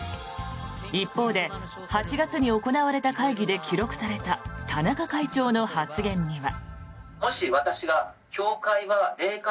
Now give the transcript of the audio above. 一方で、８月に行われた会議で記録された田中会長の発言には。